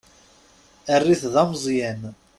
Err-it d ameẓẓyan.